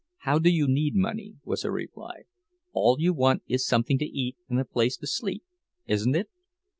"How do you need money?" was her reply. "All you want is something to eat and a place to sleep, isn't it?"